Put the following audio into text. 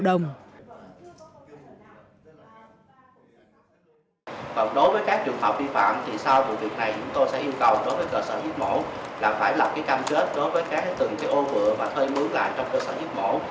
chúng tôi sẽ yêu cầu đối với cơ sở giết mổ là phải lập cái cam kết đối với cái từng cái ô vừa và thuê mướn lại trong cơ sở giết mổ